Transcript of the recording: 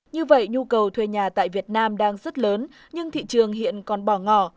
như vậy nhu cầu thuê nhà tại việt nam đang rất lớn nhưng thị trường hiện còn bò ngò